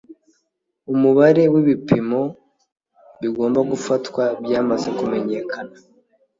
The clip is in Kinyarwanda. Umubare w ibipimo bigomba gufatwa byamaze kumenyekana